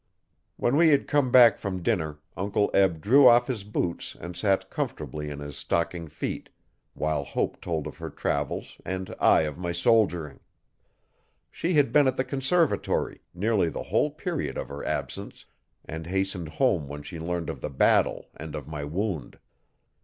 When we had come back from dinner Uncle Eb drew off his boots and sat comfortably in his stocking feet while Hope told of her travels and I of my soldiering. She had been at the Conservatory, nearly the whole period of her absence, and hastened home when she learned of the battle and of my wound.